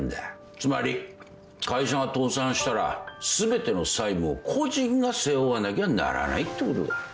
つまり会社が倒産したら全ての債務を個人が背負わなきゃならないってことだ。